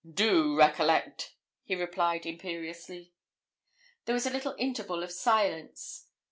'Do recollect,' he replied imperiously. There was a little interval of silence.